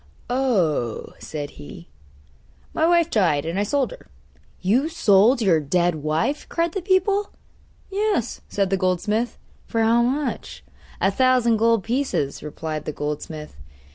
'Oh,' said he, 'my wife died, and I sold her.' 'You sold your dead wife?' cried the people. 'Yes,' said the goldsmith. 'For how much?' 'A thousand gold pieces,' replied the goldsmith.